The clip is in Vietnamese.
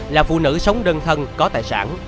là phụ nữ sống đơn thân có tài sản